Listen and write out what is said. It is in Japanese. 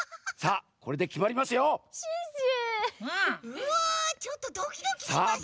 うわちょっとドキドキしますねこれ。